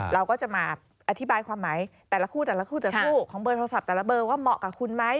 เราก็จะมาอธิบายความหมายแต่ละคู่ของเบอร์โทรศัพท์แต่ละเบอร์ว่าเหมาะกับคุณไหม